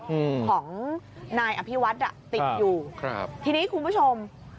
อืมของนายอภิวัฒน์อ่ะติดอยู่ครับทีนี้คุณผู้ชม